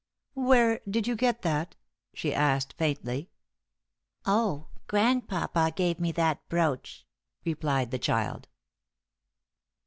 "Where did you get that?" she asked, faintly. "Oh, grandpapa gave me that brooch!" replied the child.